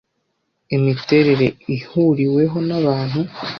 imiterere ihuriweho na abantu